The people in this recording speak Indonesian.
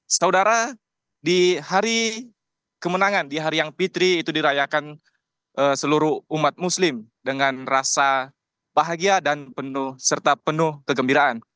saudara di hari kemenangan di hari yang fitri itu dirayakan seluruh umat muslim dengan rasa bahagia dan penuh serta penuh kegembiraan